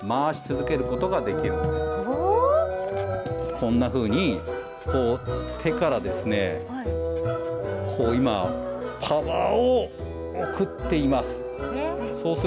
こんなふうに、手から今パワーを送っています。